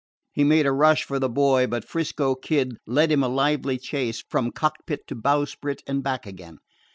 He made a rush for the boy, but 'Frisco Kid led him a lively chase from cockpit to bowsprit and back again.